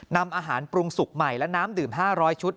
นำอาหารปรุงสุกใหม่และน้ำดื่ม๕๐๐ชุด